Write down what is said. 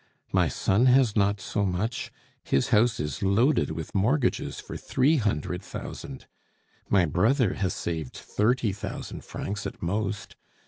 My son has not so much; his house is loaded with mortgages for three hundred thousand. My brother has saved thirty thousand francs at most.